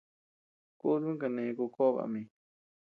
Kutum kane ku koʼo baʼa mi.